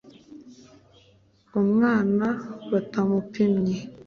umwana batamupimye